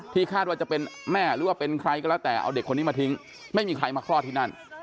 คาดว่าจะเป็นแม่หรือว่าเป็นใครก็แล้วแต่เอาเด็กคนนี้มาทิ้งไม่มีใครมาคลอดที่นั่น